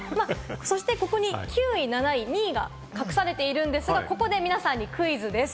そしてここに９位、７位、２位が隠されているんですが、ここで皆さんにクイズです。